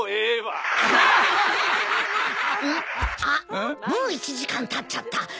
あっもう１時間たっちゃった。